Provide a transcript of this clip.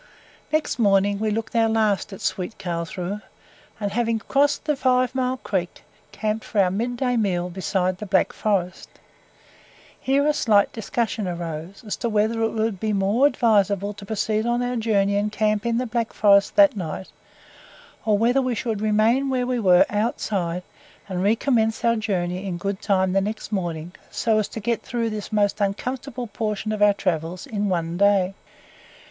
Next morning we looked our last at "sweet Carlshrue," and having crossed the Five Mile Creek, camped for our mid day meal beside the Black Forest. Here a slight discussion arose, as to whether it would be more advisable to proceed on our journey and camp in the Black Forest that night, or whether we should remain where we were outside, and recommence our journey in good time the next morning so as to get through this most uncomfortable portion of our travels in one day.